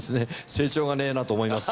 成長がねえなと思います。